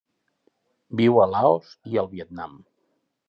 Viu a Laos i el Vietnam.